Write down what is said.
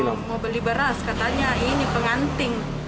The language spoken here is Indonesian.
mau beli beras katanya ini pengantin